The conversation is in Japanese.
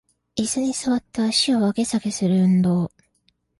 イスに座って足を上げ下げする運動